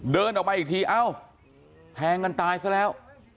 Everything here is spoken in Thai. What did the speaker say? เดินออกมาอีกทีเอ้าแทงกันตายซะแล้ว